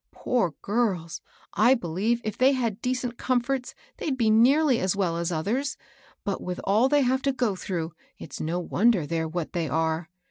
Poor girls ! I believe if they had decent comforts they'd be nearly as well as others ; but, with all they have to go through, it's no wonder they're what they are.